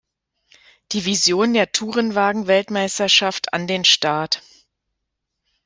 Division der Tourenwagen-Weltmeisterschaft an den Start.